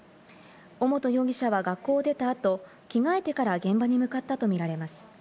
尾本容疑者は学校出たあと着替えてから現場に向かったとみられます。